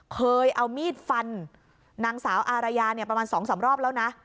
เคยเอามีดฟันนางสาวอารยาเนี่ยประมาณ๒๓รอบแล้วนะ